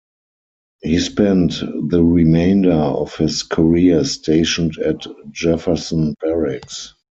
He spent the remainder of his career stationed at Jefferson Barracks.